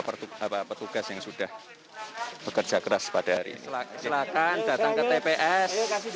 petugas yang sudah bekerja keras pada hari ini silahkan datang ke tps